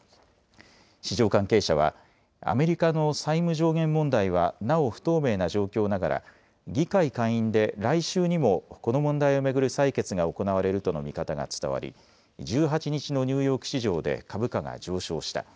市場関係者は、アメリカの債務上限問題はなお不透明な状況ながら、議会下院で来週にもこの問題を巡る採決が行われるとの見方が伝わり、１８日のニューヨーク市場で株価が上昇した。